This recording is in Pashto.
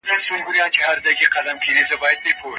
د کلي پخوانۍ کلا اوس د تېر په څېر پرتمینه نه ښکاري.